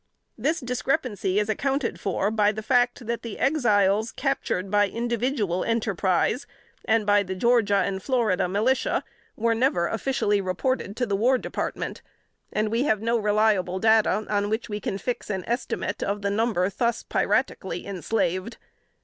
This discrepancy is accounted for by the fact, that the Exiles captured by individual enterprise, and by the Georgia and Florida militia, were never officially reported to the War Department, and we have no reliable data on which we can fix an estimate of the number thus piratically enslaved.